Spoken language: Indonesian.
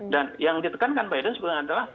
dan yang ditekankan biden itu mengatakan